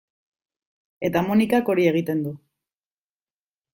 Eta Monikak hori egiten du.